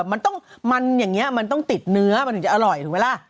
มันต้องมันอย่างนี้มันต้องติดเนื้อมันถึงจะอร่อยถูกไหมล่ะ